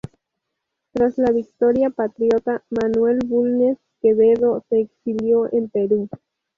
Tras la victoria patriota Manuel Bulnes Quevedo se exilió en Perú.